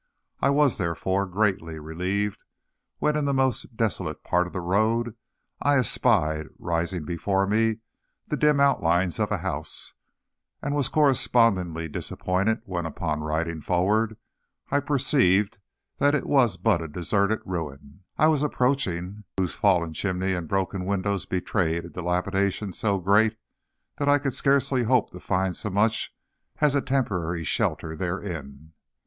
I was, therefore, greatly relieved when, in the most desolate part of the road, I espied rising before me the dim outlines of a house, and was correspondingly disappointed when, upon riding forward, I perceived that it was but a deserted ruin I was approaching, whose fallen chimneys and broken windows betrayed a dilapidation so great that I could scarcely hope to find so much as a temporary shelter therein.